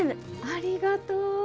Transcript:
ありがとう。